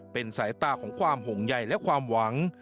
เป็นสายตาของความห่วงใยและความหวัง